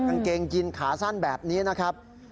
กางเกงยินขาสั้นแบบนี้นะครับ